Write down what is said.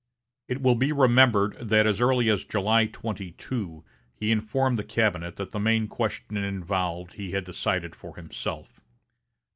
It will be remembered that as early as July 22, he informed the cabinet that the main question involved he had decided for himself.